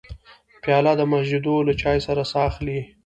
پیاله د مسجدو له چای سره ساه اخلي.